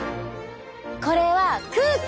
これは空気！